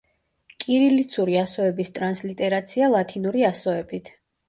კირილიცური ასოების ტრანსლიტერაცია ლათინური ასოებით.